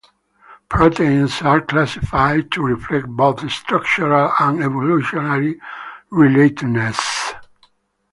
Proteins are classified to reflect both structural and evolutionary relatedness.